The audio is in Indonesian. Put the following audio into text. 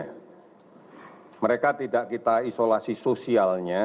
mereka tidak kita isolasi sosialnya tapi kita menggunakan smartphone nya mereka tidak kita isolasi sosialnya